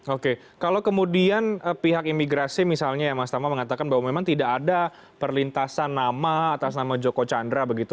oke kalau kemudian pihak imigrasi misalnya ya mas tama mengatakan bahwa memang tidak ada perlintasan nama atas nama joko chandra begitu